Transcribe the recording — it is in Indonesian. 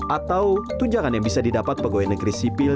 atau tunjangan yang bisa didapat pegawai negeri sipil